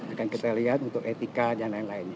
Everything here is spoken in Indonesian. akan kita lihat untuk etika dan lain lain